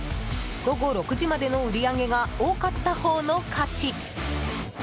午後６時までの売り上げが多かったほうの勝ち。